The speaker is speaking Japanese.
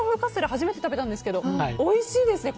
初めて食べたんですけどおいしいですね。